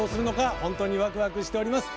本当にワクワクしております。